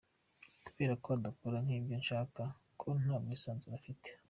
Kubera ko adakora nk’ibyo ushaka, nta bwisanzure afite.